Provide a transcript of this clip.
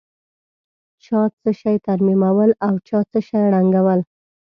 چا څه شي ترمیمول او چا څه شي ړنګول.